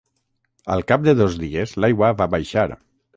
Al cap de dos dies l'aigua va baixar.